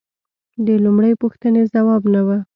د لومړۍ پوښتنې ځواب نه و